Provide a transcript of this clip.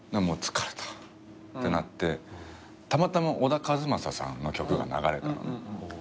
疲れたってなってたまたま小田和正さんの曲が流れたのね。